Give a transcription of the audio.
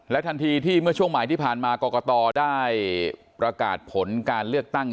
ทันทีที่เมื่อช่วงบ่ายที่ผ่านมากรกตได้ประกาศผลการเลือกตั้ง